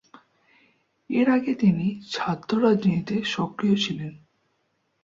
এর আগে তিনি ছাত্র রাজনীতিতে সক্রিয় ছিলেন।